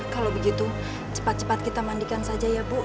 kalau begitu cepat cepat kita mandikan saja ya bu